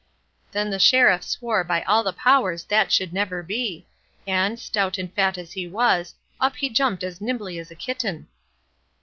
Then the Sheriff swore by all the powers that should never be, and, stout and fat as he was, up he jumped as nimbly as a kitten.